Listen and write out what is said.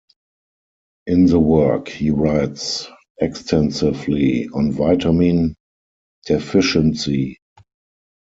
In the work, he writes extensively on vitamin deficiency.